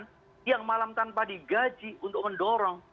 siang malam tanpa digaji untuk mendorong